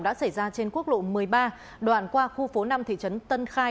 đã xảy ra trên quốc lộ một mươi ba đoạn qua khu phố năm thị trấn tân khai